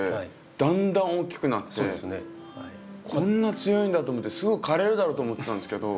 だんだん大きくなってこんな強いんだと思ってすぐ枯れるだろうと思ってたんですけど